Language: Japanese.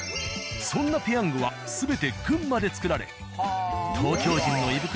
そんなペヤングは全て群馬で作られ。